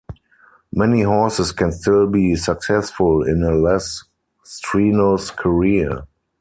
Many horses can still be successful in a less-strenuous career.